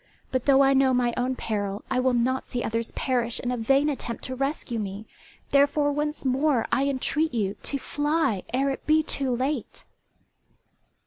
But though I know my own peril I will not see others perish in a vain attempt to rescue me, therefore once more I entreat you to fly ere it be too late!"